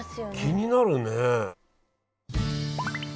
気になるね。